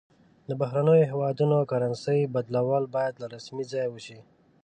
د بهرنیو هیوادونو کرنسي بدلول باید له رسمي ځایه وشي.